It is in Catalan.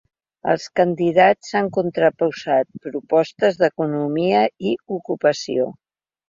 Els candidats han contraposat propostes d’economia i ocupació.